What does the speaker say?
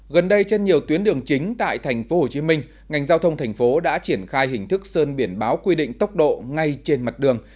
gần đây trên nhiều tuyến đường chính tại tp hcm ngành giao thông thành phố đã triển khai hình thức sơn biển báo quy định tốc độ ngay trên mặt đường